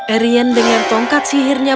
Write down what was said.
arian dengan tongkat sihirnya